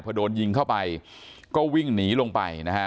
พอโดนยิงเข้าไปก็วิ่งหนีลงไปนะฮะ